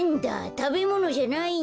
たべものじゃないんだ。